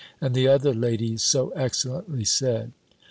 and the other ladies so excellently said."